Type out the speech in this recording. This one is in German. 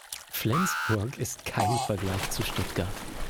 Flensburg ist kein Vergleich zu Stuttgart